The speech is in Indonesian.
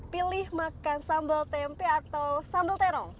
pilih makan sambal tempe atau sambal terong